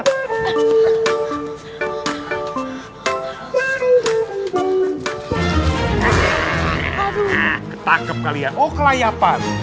hah ketangkep kalian oh kelayapan